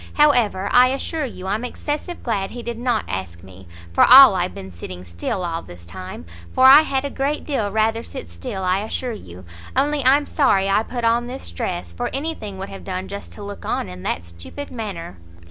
However, I assure you, I'm excessive glad he did not ask me, for all I have been sitting still all this time, for I had a great deal rather sit still, I assure you; only I'm sorry I put on this dress, for any thing would have done just to look on in that stupid manner."